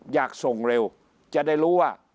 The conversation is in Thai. อยากส่งเร็วจะได้รู้ว่า